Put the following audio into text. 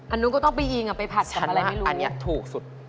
อันนู้นก็ต้องไปยิงอ่ะไปผัดนับอะไรไม่รู้